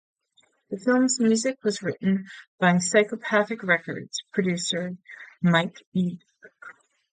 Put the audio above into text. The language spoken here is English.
The film's music was written by Psychopathic Records producer Mike E. Clark.